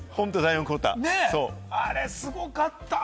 あれ、すごかった。